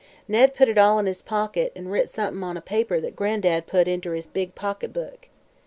Ned put it all in his pocket, an' writ somethin' on a paper that Gran'dad put inter his big pocketbook.